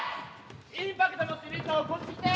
・インパクト持ってる人こっち来て！